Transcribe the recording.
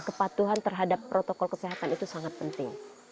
kepatuhan terhadap protokol kesehatan itu sangat penting